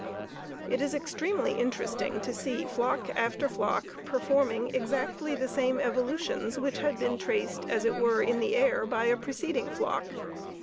It is extremely interesting to see flock after flock performing exactly the same evolutions which had been traced as it were in the air by a preceding flock.